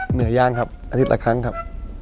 เหนือย่างครับอาทิตย์ละครั้งครับ